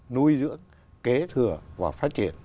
nuôi dưỡng kế thừa và phát triển